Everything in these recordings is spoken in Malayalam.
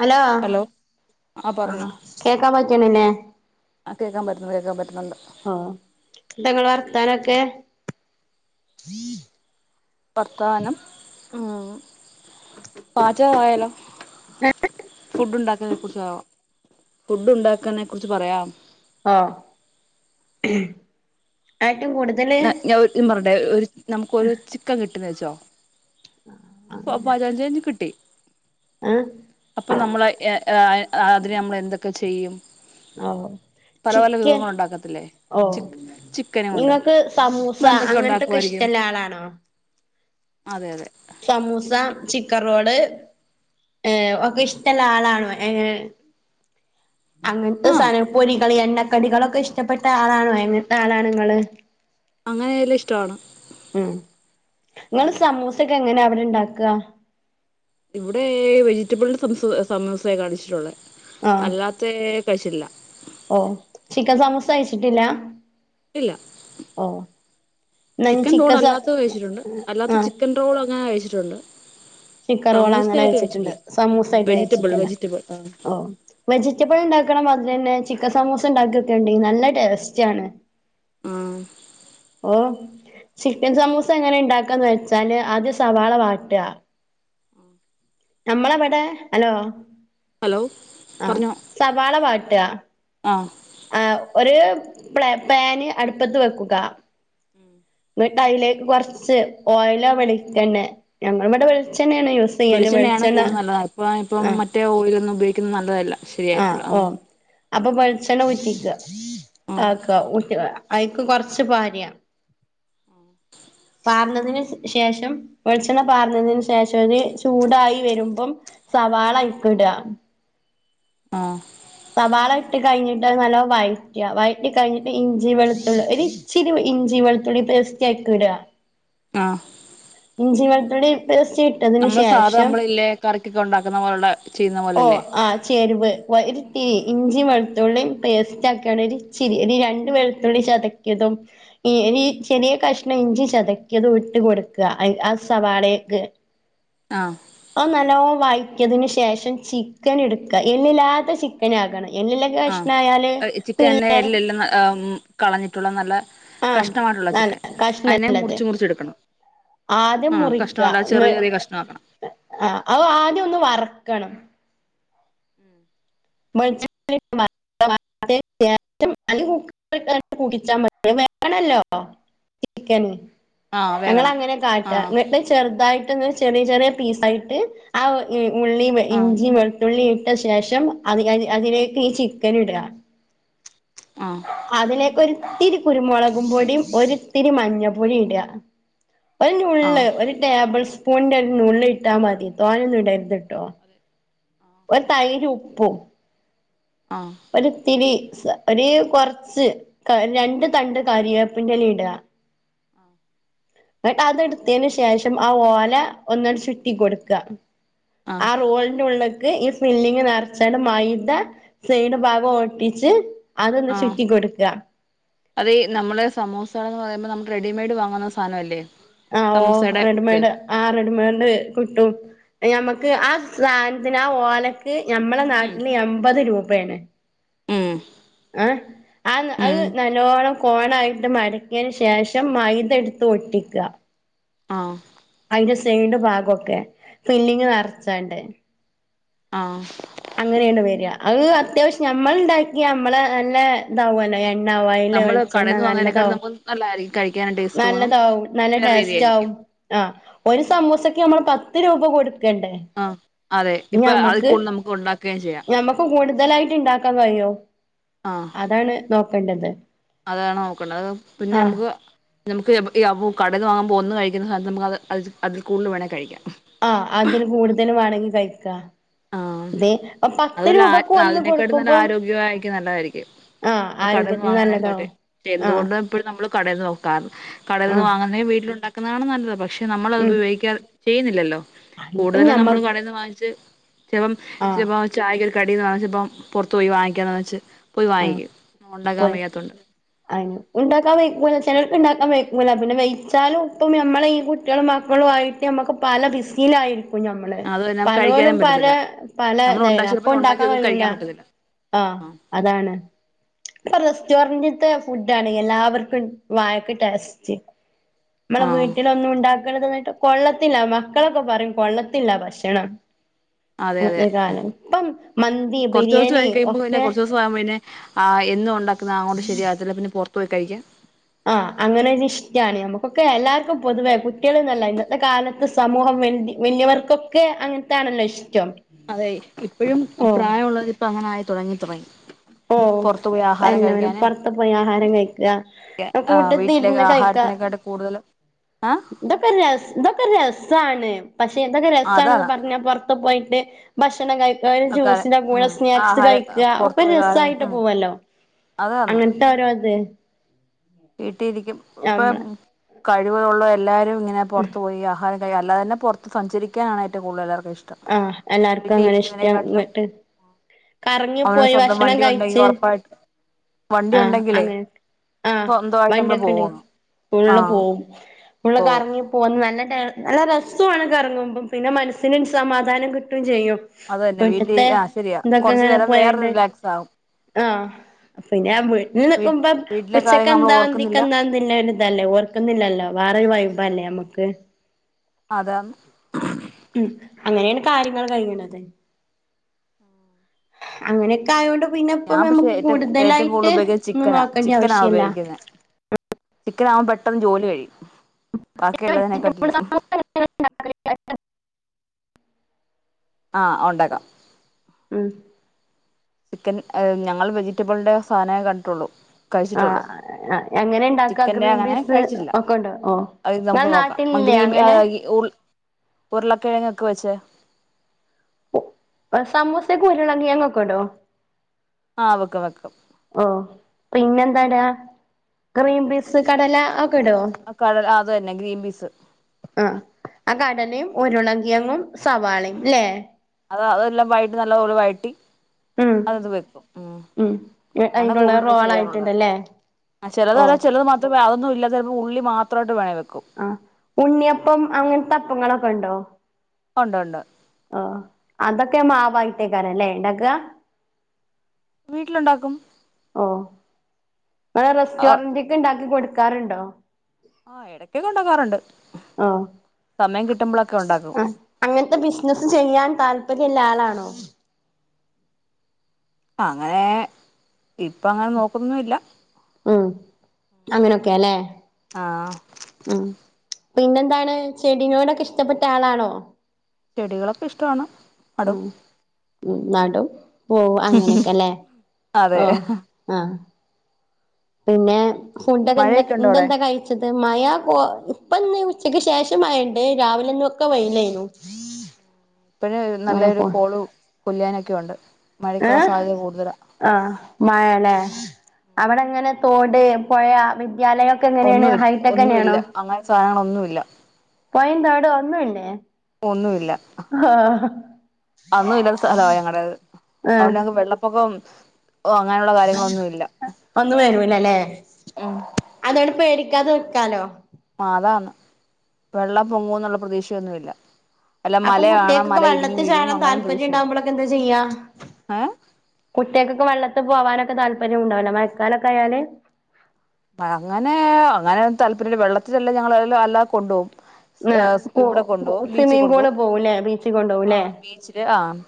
ഹലോ ആ പറഞ്ഞോ ആഹ്‌ കേക്കാൻ പറ്റ്ണ് ല്ലെ ആ കേക്കാൻ പറ്റുന്നുണ്ട് കേക്കാൻ പറ്റുന്നുണ്ട് ഓഹ ന്താ ങ്ങള വർത്താനൊക്കെ വർത്താനം ഉമ് പാചക ആയാലോ ഫുഡ് ഉണ്ടാക്കാനെ കുറിച്ച ഫുഡ് ഉണ്ടാക്കാനെ കുറിച്ച് പറയാം അഹ് ഏറ്റവും കൂടുതല് തെ ഒരു നമ്മുക്കൊരു ചിക്കൻ കിട്ട് ന്ന് വെച്ചോ [unintelligible] കിട്ടി ഏഹ് അപ്പൊ നമ്മള ഏഹ് ഏഹ് അതിനെ നമ്മൾ എന്തൊക്കെ ചെയ്യും ആവോ പല പല വിഭങ്ങൾ ഉണ്ടാക്കത്തില്ലേ ചി ചിക്കന കൊണ്ട് നിങ്ങൾക്ക് സമൂസ നമ്മൾ എന്തൊക്കെ അങ്ങനത്തൊക്കെ ഉണ്ടാക്കുവായിരിക്കും ഇഷ്ടള്ള ആളാണോ അതെ അതെ സമൂസ ചിക്കൻ റോള് ഏയ് ഒക്കെ ഇഷ്ടമുള്ള ആളാണോ ഏയ് അങ്ങനത്തെ ആ സന പൊരികൾ എണ്ണക്കടികളൊക്കെ ഇഷ്ടപ്പെട്ട ആളാണോ എങ്ങനത്തെ ആളാണ് ങ്ങള് അങ്ങനെല്ലാം ഇഷ്ട ആടാ ഉം ഇങ്ങൾ സമൂസ ഒക്കെ എങ്ങനെ അവിടെ ഇണ്ടാക്ക? ഇവിടെ വെജിറ്റബിൾ സമോസമൂസെ കാണിച്ചിട്ടുള്ളത് ആഹ് അല്ലാത്തെ. [unintelligible] ഓഹ് ചിക്കൻസമൂസകയിച്ചിട്ടില്ല? ഇല്ല. എന്നാ ഞാൻ ചിക്കൻ റോൾ സ അല്ലാത്തത് കഴിച്ചിട്ടുണ്ട് അല്ലാത്ത ആഹ് ചിക്കൻ റോൾ അങ്ങനെ കഴിച്ചി ചിക്കൻ റോൾ അങ്ങന കഴിച്ചിട്ടുണ്ട് കഴിച്ചിട്ടില്ല സമൂസ ആയിട്ട് വെജിറ്റബിൾ കഴിച്ചിട്ടില്ല. വെജിറ്റബിൾ ആ ഓ വെജിറ്റബിൾ ഉണ്ടാക്കണം അത് തന്നെ. ചിക്കൻ സമൂസ ഉണ്ടാക്കിയൊക്കെണ്ടി നല്ല ടേസ്റ്റ് ആണ്. ആ. ഓ ചിക്കൻ സമൂസ എങ്ങനെ ഉണ്ടാക്കാന്ന് വെച്ചാല് ആദ്യംസവാള വാട്ട. നമ്മളെവിടെ ഹലോ. ഹലോ ആ പറഞ്ഞോ സവാള വാട്ട. ആ ആ ഒരു പാൻ അടുപ്പത്ത് വെക്കുക. ഉം. എന്നിട്ട് അതിലേക്ക് കുറച്ച് ഓയാലോ വെളിച്ചെണ്ണേ ഞങ്ങളിവ്ടെ വെളിച്ച് വെളിച്ചെണ്ണയാണ് കൂടുതാൽ നല്ലത് അപ്പ ഇപ്പം ആഹ് മറ്റേഓയിലെന്നും. ഉപയോഗിക്കുന്നത് നല്ലതല്ല ആഹ് ശരിയായിട്ടുള്ള ഓ ആം. അപ്പൊ വെളിച്ചെണ്ണ ഉറ്റിക്ക ആ ആക്കഉറ്റുക. അയിക്ക് കൊറച്ച് പാര. മ്മ്. പാർഞ്ഞതിന് ശേഷം വെളിച്ചെണ്ണ പാർഞ്ഞതിന് ശേഷംത് ചൂടായി വരുമ്പം. സവാളആയിക്കിട. ആ. സവാള ഇട്ട് കഴിഞ്ഞിട്ട് അത് നല്ലോം വഴറ്റയാ വഴറ്റി കഴിഞ്ഞിട്ട് ഇഞ്ചി വെളുത്തുള്ളി ഒരു ഇച്ചിരി ഇഞ്ചി. വെളത്തുള്ളി പേസ്റ്റ് അയ്കിട. ആ. ഇഞ്ചി വെളുത്തുള്ളി പേസ്റ്റ് ഇട്ടതിന് നമ്മള് സാധാ ശേഷം നമ്മളില്ലേ കറിക്കൊക്കെ ഉണ്ടാക്കുന്ന പോലുള്ള ചെയ്യുന്ന ഓ പോലെല്ലേ ആ ചെരുവ് ഉം ഉം ഇഞ്ചിവെള് വെളുത്തുള്ളിയിം പേസ്റ്റ് ആക്കിയാണ് ഒരു ഇചിരി ഒരു രണ്ട് വെളുത്തുള്ളി ചതക്കിയതും ഈ എനി ചെറിയ കഷ്ണം ഇഞ്ചി ചതക്കിയത് ഇട്ട് കൊടുക്ക ആ സവാളേക്ക്. ആഹ്. ആ നല്ലോ വായിറ്റിയതിന് ശേഷം ചിക്കൻ എടുക്ക എല്ലില്ലാത്ത ചിക്കൻ ആകണം. ആ ചിക്കന്നെ എല്ല് ഇല്ലെന്ന് കളഞ്ഞിട്ടുള്ള നല്ല ആഹ് കഷ്ടമായിട്ടുള്ള നല്ല ചിക്കൻ അതിനെ കഷ്ണള്ളത് മുറിച്ചു മുറിച്ചെടുക്കണം. ആദ്യം ആഹ മുറിക്കുക കഷ്ണമല്ല ചെറിയ ചെറിയ കഷ്ണമാക്കണം. ആ അ ആദ്യം ഒന്ന് വറക്കണം. [unintelligible] കുടിച്ചാ മ വേണല്ലോ ചിക്കന്. ആഹ് വേകണം ഞങ്ങളങ്ങനെ കാട്ട ആഹ് ന്നട്ട് ചെറുതായി ചെറിയ ചെറിയ പീസായിട്ട് ആ മ്മ് ഉള്ളീം ആഹ് ഇഞ്ചി വെളുത്തുള്ളിട്ട ശേഷം. അത് അതിലേക്ക് ഈ ചിക്കൻ ഇട. ആഹ് അതിലേക്ക് ഒരു ത്തിരി കുരുമോള ഉപ്പ്പൊടിയുംഒരുഇത്തിരി മഞ്ഞ പൊടിയും ഇട ഒരു നുള്ള് ആഹ് ഒരു ടേബിൾസ്പൂൺ. സ്പൂന്റെ ഒരു നുള്ള് ഇട്ടാമതി തോനന്നും ഇടരുത്ട്ടോ ഒരു തൈര് ഉ പു ആഹ് ഒരുത്തിരി. ഒരു കൊറച്ച് രണ്ട് തണ്ട് കറിവേപ്പിന്റെല ഇടാ. ആഹ. എന്നിട്ട് അത് എടുത്തതിന് ശേഷം ആ ഓല ഒന്ന ചുറ്റി കൊൊടുക്കുക ആ ആഹ് റോളിന്റെ ഉള്ളക് ഈ ഫില്ലിങ് നിറചാണ്ട് മൈദ സൈഡ് ഭാഗം ഓട്ടിച്ചച്ച് ആഹ അതെ നമ്മള സമുസന്ന് പറയുമ്പോ നമ റെഡിമെയ്ഡ് വങ്ങുന്ന സാധന അല്ലേ ആ ഓ റെഡിമെയഡ് ആ് റെഡിമെയഡ് കിട്ടും ഞമ്മക്ക് ആ സാധനത്തിന് ആ ഓലക്ക് ഞമ്മളെ ഉം നാട്ടില് എപ്പത് രൂപയാണ് ഉം ആ ആ ഉം അഹ് നല്ലോണം കോണായിട്ട് മടക്കിയതിന് ശേഷം മൈദ എടുത്ത് ഒട്ടിക്കുക ആഹ ചെയ്യേണ്ട ഭാഗമൊക്കെ ഫില്ലിംഗ് നെറച്ചാണ്ട് ആഹ് അങ്ങനെണ് വര അഹ് അത്യാവശ്യം നമ്മൾണ്ടാക്കിയ നമ്മളെന്നെ താവല്ലേ. എണ ഓയിൽ നമ്മള് വെളിച്ചെണ്ണ കടയിൽന്ന് വാങ്ങുന്നതിനേക്കാൾ നല്ലതോ നമുക്ക് നല്ലതായിരിക്കും കഴിക്കാനും ടേസ്റ്റ് തോന്നും നല്ലതാവും നല്ല വേറെ ടേസ്റ്റ് രീതിയായിരിക്കും ആവും ആഹ് ഒരു സമൂസക്ക് നമ്മൾ പത്ത് രൂപ കൊടു ആഹ് അതെ [inaudible] ഇപ്പൊ അതിൽ ഞമ്മക്ക് കൂടുതൽ നമുക്ക് ഉണ്ടാക്കുകയും ചെയ്യാം ഞമ്മക്ക് കൂടുതലായിട്ട് ഉണ്ടാക്കാൻ കഴിയും. ആഹ് [unintelligible] അതാണ് നോക്കേണ്ടത്. അതാണ് നോക്കേണ്ടത് അത് പിന്നെ ആ നമുക്ക് നമുക്ക് ഈ ബു കടന്ന് വക്കാൻ പൊന്ന് കഴിക്കുന്ന നമ്മക്ക് അത് അതിൽ കൂടുതൽവേണേ കഴിക്കാം. ആഹ് അതിൽ കൂടുതല് വേണെങ്കി കഴിക്കാ. ആഹ് അതുവല്ല അ ഒന്ന് അതിനൊക്കാട്ടു നല്ല കൊടുക്കുമ്പോ ആരോഗ്യയിരിക്കും നല്ലതായിരിക്കും. ആ കടൽന്ന് ആരോഗ്യത്തിന് വാങ്ങേക്കാട്ടെ നല്ലതാവും ആ എന്തുകൊണ്ടും എഴും നമ്മള് കടൽന്ന് നോക്കാ കടൽ ആ നിന്ന് വാങ്ങുന്ന വീട്ടിലുണ്ടാക്ക ക്കുന്നതാണ് നല്ലത്. പക്ഷെ നമ്മള ഉം അത്പയോഗിക്കാ ചെയ്യുന്നില്ലല്ലോ അപ്പൊ കൂടുതലും ഞമ്മ നമ്മൾ കടന്ന് വാങ്ങിച്ച് ചിലപ്പം ആഹ് ചിലപ്പോ ചായകൽ കടന്ന് വപ്പം പോറത്തു പോയി വാങ്ങിക്കാന്ന് വെച്ച് പോയി ആ വാങ്ങിക്കും പോ ഉണ്ടാക്കാൻ വയ്യാത്തോണ്ട് അയിന് ഉണ്ടാക്കാൻവെക്കുല ചിലർക്ക് ഉണ്ടാക്കാൻ വെയ് ഇ പിന്നെ വഴച്ചാലും ഇപ്പം മ്മളെ ഈ കുട്ടികളും മക്കളും ആയിട്ട് നമ്മുക്ക് പല ബിസിലായിരിക്കും ക്കുംമ്മള് അത് തന്നെ പലലോലു കഴിക്കാനും പല പറ്റത്തില്ല പല നമ്മള് ഇതായി ഉണ്ടാക്കി അപ്പൊ ചിലപ്പോ ഉണ്ടാക്കി ഇണ്ടാക്കാൻ വെക്കും കഴിയൂല. കഴിക്കാൻ പറ്റത്തില്ല ആ ആഹ് അതാണ്. ഇപ്പൊ റെസ്റ്റോററ്റ്ത്തെ ഫുഡ് ആണ് എല്ലാവർക്കും വായക്ക ടേസ്റ്റ്. നമ്മളെ ആഹ് വീട്ടിലൊന്നും ഉണ്ടാക്കരുന്ന് ട്ടോ കൊള്ളത്തില്ല മക്കളൊക്കെ പറയും കൊള്ളത്തില്ല ഭക്ഷണം അതെ ഈ അതെ ഇപ്പൊതെ കാലം ഇപ്പം മന്തി കുറച്ച് ബിരിയാണി ഒക്കെ ആ് എന്നും ഉണ്ടാക്കുന്ന അങ്ങോട്ട ശരിയാകന്നില പിന്നെ പുറത്ത പോയി കഴിക്കാം ആഹ അങ്ങനെൊ ഇഷ്ടാണ് നമുക്കൊക്കെ എല്ലാവർക്കും പൊതുവെ കുട്ടികളൾ ന്നല്ല ഇന്നത്തെ കാലത്ത് സമൂഹം െ വന്യവർക്കൊക്കെ അങ്ങനത്തെണലോ ഇഷ അതെ ഇപ്പഴും പ്രായമ ഉുള്ളത് ഇപ്പ അങ്ങനൊയി തുടങ്ങി തുടങ്ങി ഓഹ് പുറത്തു പോയി ആഹാരം പിന്നെ കഴിക്കാനും പുറത്ത് പോയി ആഹാരം കഴിക്കുക മ് കൂട്ടത്തി വീട്ടിലേെ ഇരുന്ന് ആഹാര കഴിക്ക അതിനെക്കാട്ട് കൂടുതും ഇതൊക്കെ ര ഇതൊക്കെ രസമാണ് പക്ഷെ ഇതൊക്കെ രസമാണ്െന്ന് അതാണ് പറഞ്ഞാ പുൊറത്ത് പോയിട്ട് ഭക്ഷണം കഴിക്കുക ആൾക്കാര് ജ്യൂസിന്റെ കൂടെ ഉം സ്നാക്സ് ആഹാരം കഴിക്കുക പുറത്തു ഒക്കെ പോയി രസമായിട്ട് ഉം പോവല്ലോ അങ്ങനത്തെ ഓരോത് വീട്ടിരിക്കും ഇപ്പൊ കഴിവുള്ള എല്ലാരും ഇങ്ങനെ പുറത്തു പോയി ആഹാരം അല്ലതന്നെ പുറത്ത് സഞ്ചരിക്കാനാണ് ഏറ്റവും കൂടുതൽ ഇഷ്ടം ആഹ എല്ലാർക്കും വീട്ടിൽ അങ്ങനെ ഇഷ്ടം ഇരിക്കുന്നതിനെക്കാട്ടിലും ഇങ്ങിട്ട് കറങ്ങി അവന് പോയി സ്വന്തം ഭക്ഷണം വണ്ടി ഉണ്ടെങ്കിൽ കഴിച് ഉറപ്പായിട്ട് വണ്ടി ഉണ്ടെങ്കിലേ ആ സ്വന്തമായിട്ട് നമ്മള് വണ്ടിയക്കെണ്ട് പോവണം ഉള് ആഹ് പോവും പോവും കറങ്ങി പൊന്ന് ന നല്ല രസമാണ് കറങ്ങുമ്പം പിന്നെ മനസ്സിന് സമാധാനം കിട്ടുകയും ചെയ്യും അത് തന്നെ വീട്ടിൽ വീട്ടത്തെ ആഹ് ശരിയാ കുറച്ചു എന്തൊക്കെങ്ങനെ നേരം വേറെ പോയണ്ട് റിലാക്സ് ആകും ആഹ പിന്നെ അ [unintelligible] ഇ വീ നക്കുമ്പ വീട്ടിലെ ഉച്ചക്ക് കാര്യങ്ങൾ നമ്മൾ എന്താതിക്ക ഓർക്കുന്നില്ല എന്താന്നല്ല ഇതല്ലേ ഓർക്കുന്നില്ലല്ലോ വേറെൊരു - ഇല്ലേ നമുക്ക് അതാ ഉം അങ്ങനെയാണ് കാര്യങ്ങൾ കഴിയണത് അങ്ങനെയൊക്കെ ആയൊണ്ട് പിന്നെപ്പ ഞാൻ പക്ഷെ നമുക്ക് ഏറ്റവും ഏറ്റവും കൂടുതൽ കൂടുതലായിട്ട് ഉപയോഗിക്കുന്നത് ഒന്നും ചിക്കനാ നോക്കേണ്ടി ചിക്കനാണ് ആവശ്യല്ല ഉപയോഗിക്കുന്നത് [unintelligible] പെട്ടെന്ന് ജോലി കഴി ബാക്കിയുള്ളതിനെക്കട്ടിലും ആഹ് ഉണ്ടകാം ഉം ടീക്കൻ ഞങ്ങൾ വെജിറ്റബിളിന്റെ സാധനേ കണ്ടിട്ടുള്ളൂ കഴിച്ചിട്ടുള്ളൂ ആഹ് എങ്ങനെ ണ്ടാക്ക ചിക്കന്റെ ഗ്രീൻ അങ്ങനെ പീസ് കഴിച്ചിട്ടില്ല ഒക്കെ ഉണ്ടോ ഓ അത് ഇങ്ങളെ നമുക്ക് നോക്കാം നാട്ടിലില്ലേ അങ്ങനെ [unintelligible] ഉരുളക്കിഴങ്ങ ഒക്കെ വെച്ച സമൂസക്കരുളങ്കി അങ്ങൊക്കിടൂവോ അവക്കെ വെക്കം ഓ പിന്നെ എന്താട ഗ്രീൻ ബീസ് കടല കടല അത് തന്നെ ഗ്രീൻ പീസ് [unintelligible] ആ ആ കടലയും ഉരുളങ്കിയങ്ങും സവാളയുംല്ലേ അത അതെല്ലാം വയട്ടി നല്ലതോള വഴറ്റി ഉം അതെത് വെക്കും ഉം അങ്ങനെ അയിനുള്ള കൂടുതല് ചെയ്യാനുള്ള റോളായിട്ടുണ്ടല്ലേ ആഹ് ഓ ചെലതത് ചെലത് മാത്രമേ അതൊന്നും ഇല്ലാതെ ഉള്ളി മാത്രമായിട്ട് വേണേ വെ ആഹ് ഉണ്ണിയപ്പം അങ്ങനത്തെ അപ്പങ്ങളൊക്കെ എണ്ടോ ഒണ്ടൊണ്ട്‌ ആഹ് അതൊക്കെ മാവായിത്തേക്കാരല്ലേ എണ്ടാക്ക വീട്ടിലുണ്ടാക്കും ഓഹ് ഇങ്ങള് റെസ്റ്റോറന്റ്ക്ക്‌ ഇണ്ടാക്കി കൊടുക്കാറിണ്ടോ ആഹ് എടക്കക്കെ എണ്ടാക്കാറെണ്ട് ആഹ് ആഹ് അങ്ങനത്തെ ബിസിനസ് ചെയ്യാൻ താൽ പര്യള്ള ആളാണോ അങ്ങനേ ഇപ്പ അങ്ങനെ നോക്കുന്നൊന്നുവില്ല അങ്ങനൊക്കെയാ അല്ലേ ആഹ് പിന്നെന്താണ് ചെടിനോടക്കെ ഇഷ്ടപ്പെട്ട ആളാണോ ചെടികളൊക്കെ ഇഷ്ട്ടാണ്. ഉം ഉം നടും പോവും അങ്ങനൊക്കെല്ലേ അതെ ഓഹ് ആഹ് പിന്നെ ഫുഡ്ഡക്കെ എന്താ മഴയൊക്കെ ഉണ്ടോ അവിടെ ഇന്തെന്താ കഴിച്ചത് മയ കൊ ഇപ്പിന്ന് ഉച്ചക്ക് ശേഷം മഴെണ്ട് രാവിലെന്നൊക്കെ വെയിലായിരുന്നു. ഇപ്പഴെ നല്ലൊരു കോളു കൊല്ല്യാനൊക്കയൊണ്ട്. ഏഹ് ആഹ് മഴേല്ലേ അവിടെങ്ങനെ തോട്, പൊഴ വിദ്യാലയം ഒക്കെ എങ്ങനെയാണ് ഒന്നുവി ഹൈടെക് ഒന്നുവില്ല തന്നെയാണോ അങ്ങനത്തെ സാധങ്ങളൊന്നുവില്ല പയെന്താ അവിടെ ഒന്നുവില്ലേ ഒന്നുമില്ല ആഹ് അന്നും ഇല്ലാത്ത സ്ഥലവാ ഞങ്ങടേത് ആഹ് അതുകൊണ്ട് ഞങ്ങക്ക് വെള്ളപ്പൊക്കം അങ്ങനെയുള്ള കാര്യങ്ങളൊന്നും ഇല്ല ഒന്നും വരൂലലെ ഉം അതോണ്ട് പേടിക്കാതെ ക്കാലോ അതാണ് വെള്ളം പൊങ്ങുവെന്നുള്ള പ്രതീക്ഷയൊന്നുമില്ല അല്ല അപ്പം മല കാണാം കുട്ടികൾക്കൊക്കെ മല ഇടിഞ്ഞു വെള്ളത്തിൽ വീഴും ചാടാൻ അങ്ങനെ താല്പര്യം പ്രതീക്ഷയില്ല ഉണ്ടകുമ്പോളൊക്കെ എന്താ ചെയ്യാ ഏ കുട്ടികൾക്കൊക്കെ വെള്ളത്തി പോവാനൊക്കെ താല്പര്യം ഉണ്ടാവില്ലെ മഴക്കാലൊക്കെ ആയാല് അങ്ങനെ അങ്ങനെ താല്പര്യം വെള്ളത്തിലെല്ലാം ഞങ്ങൾ അല്ലാതെ കൊണ്ട്പോകും ആഹ് കു ഇവിടെ കൊണ്ടു പോകും ബീച്ച് സ്വിമ്മിംഗ് പൂള് കൊണ്ടുപോവും പോവുംല്ലേ ബീച്ചിൽ ആ കൊണ്ടോവുംല്ലേ ബീച്ചില് ആഹ്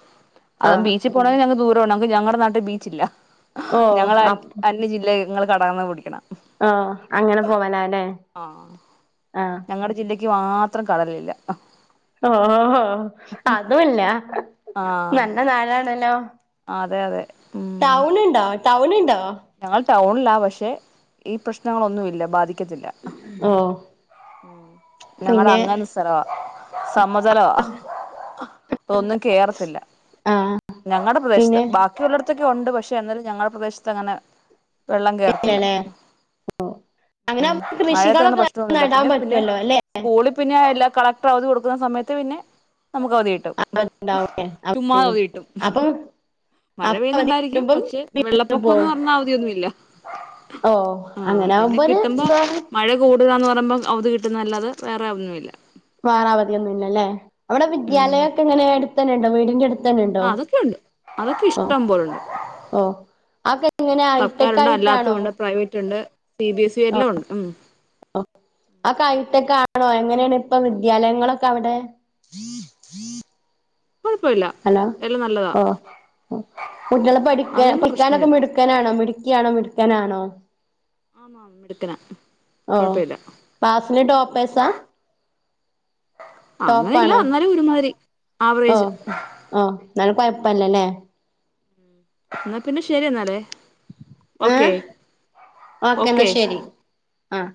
അതും ആഹ് ബീച്ചിൽ പോകണമെങ്കിൽ ഞങ്ങക്ക് ദൂരാണ് ഞങ്ങക്ക് ഞങ്ങളുടെ നാട്ടിൽ ബീച്ചില്ല ഓഹ് ഞങ്ങള് അന്യ ജില്ലയി ങ്ങൾ കടാന്ന പിടിക്കണ ആ അങ്ങനെ പോവലാലേ ആ ക്ക് മാത്രം കടലില്ല ഓ ഹോ അതുല്ല ആഹ് നല്ല നാടാണല്ലോ അതെ അതെ ഉം ടൗണിണ്ടോ ടൗൺ ണ് ഞങ്ങൾ ടൗണിലാ പക്ഷെ ഈ പ്രശ്നങ്ങളൊന്നുമില്ല ബാധി ക്കത്തില്ല. ഓ ഉം. ഞങ്ങളടെ പിന്നെ അങ്ങനൊരു സ്ഥലവാ സമതലവാ. ഒന്നും കേറത്തില്ല ആ ഞങ്ങളുടെ പ്രദേശത്ത് പിന്നെ ബാക്കിയുള്ളടത്തൊക്കെ ഉണ്ട് പക്ഷെ എന്നാലും ഞങ്ങളുടെ പ്രദേശത്ത് അങ്ങനെ വെള്ളം കേറത്തില്ല ഇല്ലല്ലേ ഓ അങ്ങനെ ഉം ആവുമ്പോ മഴയത്തങ്ങനെ കൃഷികളൊക്കെ പ്രശ്നൊന്നുമില്ല നടാൻ പിന്നെ പിന്നെ പറ്റുമല്ലോ അല്ലെ സ്കൂളി പിന്നെ എല്ലാ കളക്ടർ അവധി കൊടുക്കുന്ന സമയത്ത് പിന്നെ നമുക്ക് അവധി കിട് ട്ടും. അവധിണ്ടാവൂലേ ചുമ്മാ അവധി കിട്ടും വീട്ടും അപ്പൊ മഴ അപ്പൊ അവധി പെയ്യുന്നുണ്ടായിരിക്കും കിട്ടുമ്പം പക്ഷെ വീണ്ടും വെള്ളപ്പൊക്കം എന്ന് പോവും പറഞ്ഞ ര്യോന്നുല്ല ഓ ആ അങ്ങനെ പിന്നെ ആവുമ്പോ ഒരു കിട്ടുമ്പോ ഇതാണ് മഴ കൂടുകാ മ്പം അവധി കിട്ടുന്നതല്ലാതെ വേറെ വന്നുമില്ല വേറെ അവധി ഒന്നും ഇല്ലല്ലേ അവിടെ വിദ്യാലയൊക്കെ എങ്ങനെ അടുത്തന്നെ ഉണ്ടോ വീടിന്റെടു അതൊക്കെണ്ട് അതൊക്കെ ഇഷ്ടം പോലണ്ട് ഓ അതൊക്കെ എങ്ങനെ ഹൈടെക് കൽക്കാരുണ്ട് അല്ലാത്തും ഉണ്ട് പ്രൈവറ്റ് ഉണ്ട് സി ബി എസ് ഇ എല്ലാം ഉണ്ട് ഉം [unintelligible] ണോ എങ്ങനെയാണ് ഇപ്പൊ വിദ്യാലയങ്ങളൊക്കെ അവിടെ കുഴപ്പമില്ല ഹലോ എല്ലാം നല്ലതാ ഓ കുട്ടികളെ പഠിക്ക അതൊന്നും പഠിക്കാനൊക്കെ പ്രശ്നമില്ല മിടുക്കനാണോ മിടു [unintelligible] മടുക്കാനാണോ ആന്നാ മിടുക്കനാ ഓഹ് കുഴപ്പമില്ല പാസിന് ടോപ്പ്സാ ടോപ്പ അങ്ങനെല്ല ആണോ എന്നാലും ഒരുമാതിരി ആവറേജ് ഓഹ് ഓഹ് [unintelligible] പ്പല്ലല്ലേ എന്നാ പിന്നെ ശരിയ എന്നാലേ ഓക്കെ ഏയ് ഓകെ എന്നാ ഓക്കെ ശരി ആഹ്